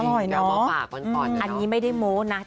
อร่อยเนอะอันนี้ไม่ได้โม้นะ